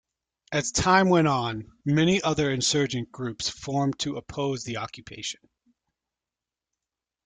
As time went on, many other insurgent groups formed to oppose the occupation.